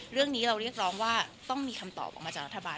เรื่องนี้เราเรียกร้องว่าต้องมีคำตอบออกมาจากรัฐบาล